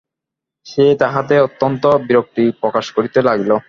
সে তাহাতে অত্যন্ত বিরক্তি প্রকাশ করিতে লাগিল।